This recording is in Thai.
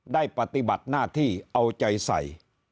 ปฏิบัติหน้าที่เอาใจใส่